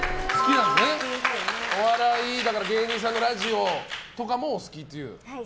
お笑い、芸人さんのラジオとかもお好きだという。